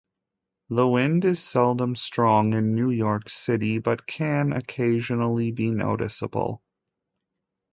The wind is seldom strong in New York City but can occasionally be noticeable.